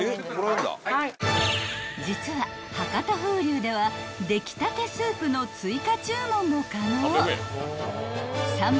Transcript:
［実は博多風龍では出来たてスープの追加注文も可能］